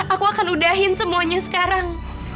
aku akan udahin semuanya sekarang